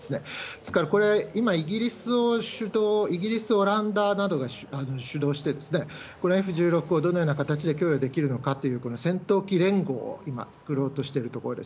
ですからこれ、今、イギリス、オランダなどが主導して、これ、Ｆ１６をどのような形で供与できるのかという、この戦闘機連合を今、作ろうとしてるところです。